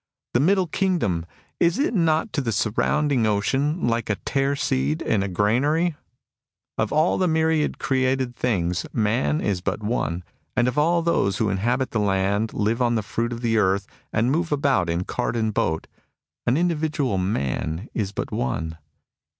The Middle Kingdom — is it not to the surrounding ocean like a tare seed in a granary ? Of all the myriad created things, man is but one. And of all those who inhabit the land, live on the fruit of the earth, and move about in cart and boat, an individual man is but one.